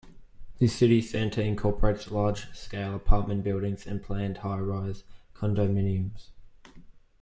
This city center incorporates large-scale apartment buildings and planned high rise condominiums.